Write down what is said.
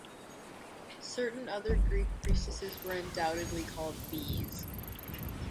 Certain other Greek priestesses were undoubtedly called Bees.